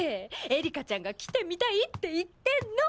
エリカちゃんが来てみたいって言ってんの。